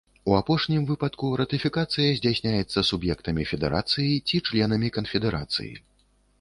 У апошнім выпадку ратыфікацыя здзяйсняецца суб'ектамі федэрацыі ці членамі канфедэрацыі.